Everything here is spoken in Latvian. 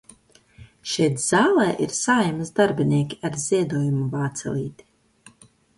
Šeit zālē ir Saeimas darbinieki ar ziedojumu vācelīti.